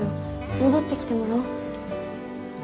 戻ってきてもらおう。